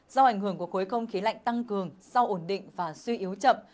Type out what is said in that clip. do ảnh hưởng của khối không khí lạnh tăng cường sau ổn định và suy yếu chậm